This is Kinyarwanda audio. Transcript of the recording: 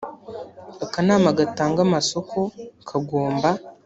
akanama gatanga amasoko kagomba